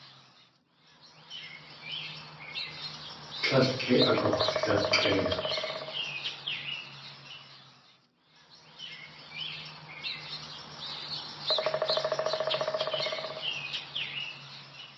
Tlél kei agux̲lakʼei.